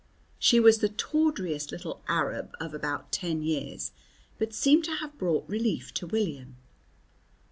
She was the tawdriest little Arab of about ten years, but seemed to have brought relief to William.